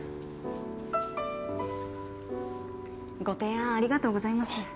ご提案ありがとうございます。